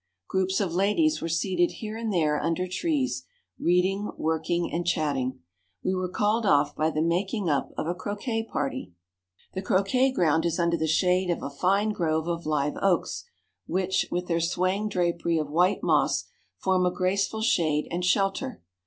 Groups of ladies were seated here and there under trees, reading, working, and chatting. We were called off by the making up of a croquet party. The croquet ground is under the shade of a fine grove of live oaks, which, with their swaying drapery of white moss, form a graceful shade and shelter.